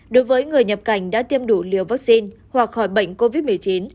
đối với người nhập cảnh đã tiêm đủ liều vaccine hoặc khỏi bệnh covid một mươi chín